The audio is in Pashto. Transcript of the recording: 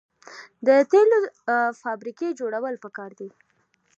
د تیلو فابریکې جوړول پکار دي.